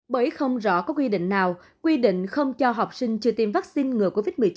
bởi không rõ có quy định nào quy định không cho học sinh chưa tiêm vaccine ngừa covid một mươi chín